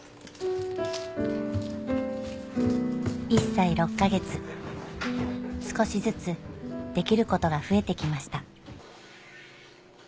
１歳６か月少しずつできることが増えて来ました